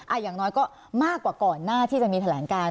อย่างน้อยก็มากกว่าก่อนหน้าที่จะมีแถลงการ